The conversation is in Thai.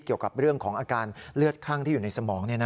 เกี่ยวกับเรื่องของอาการเลือดข้างที่อยู่ในสมอง